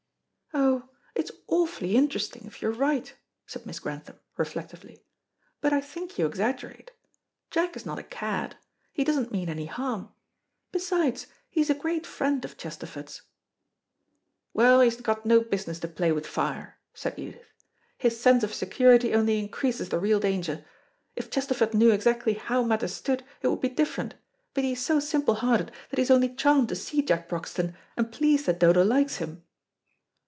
"Oh, it's awfully interesting if you're right," said Miss Grantham reflectively; "but I think you exaggerate. Jack is not a cad. He doesn't mean any harm. Besides, he is a great friend of Chesterford's." "Well, he's got no business to play with fire," said Edith. "His sense of security only increases the real danger. If Chesterford knew exactly how matters stood it would be different, but he is so simple hearted that he is only charmed to see Jack Broxton, and pleased that Dodo likes him."